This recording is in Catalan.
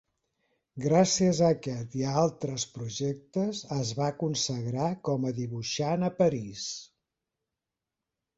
Gràcies a aquest i a altres projectes es va consagrar com a dibuixant a París.